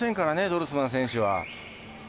ドルスマン選手は。